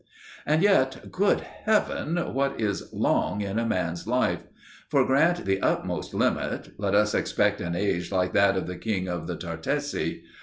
And yet, good heaven! what is "long" in a man's life? For grant the utmost limit: let us expect an age like that of the King of the Tartessi.